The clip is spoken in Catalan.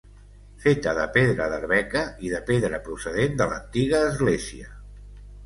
Feta de pedra d'Arbeca i de pedra procedent de l'antiga església.